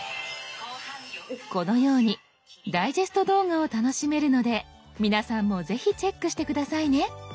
このようにダイジェスト動画を楽しめるので皆さんもぜひチェックして下さいね。